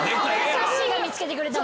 さっしーが見つけてくれた。